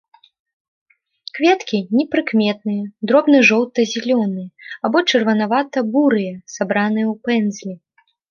Кветкі непрыкметныя дробныя жоўта-зялёныя або чырванавата-бурыя, сабраныя ў пэндзлі.